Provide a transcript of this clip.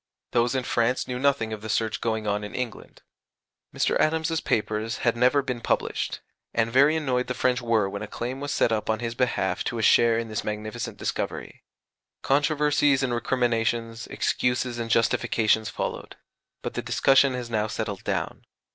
Those in France knew nothing of the search going on in England. Mr. Adams's papers had never been published; and very annoyed the French were when a claim was set up on his behalf to a share in this magnificent discovery. Controversies and recriminations, excuses and justifications, followed; but the discussion has now settled down.